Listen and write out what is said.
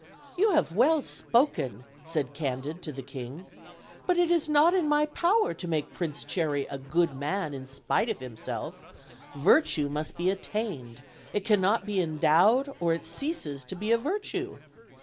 "You have Avell spoken," said Candid to the king; "but it is not in my power to make Prince Cherry a good man in spite of himself: virtue must be attained; it can not be endowed or it ceases to be a virtue.